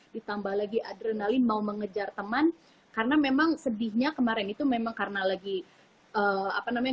ditambah lagi adrenalin mau mengejar teman karena memang sedihnya kemarin itu memang karena lagi apa namanya